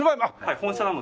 本社なので。